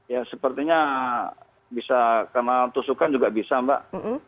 ya sepertinya bisa karena tusukan juga bisa mbak